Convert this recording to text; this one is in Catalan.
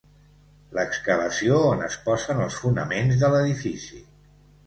L'excavació on es posen els fonaments de l'edifici.